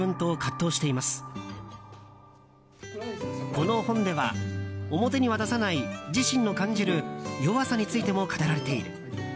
この本では、表には出さない自身の感じる弱さについても語られている。